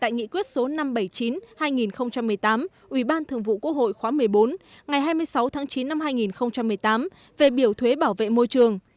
nghị quyết số năm trăm bảy mươi chín hai nghìn một mươi tám ủy ban thường vụ quốc hội khóa một mươi bốn ngày hai mươi sáu tháng chín năm hai nghìn một mươi tám về biểu thuế bảo vệ môi trường